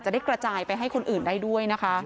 จะได้กระจายไปให้คนอื่นได้ด้วยนะคะ